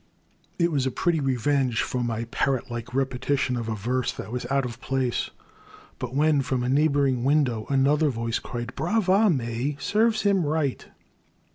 It was a pretty revenge for my parrot like repe tition of a verse that was out of place, but when, from a neighbouring window, another voice cried Brava May ! serves him right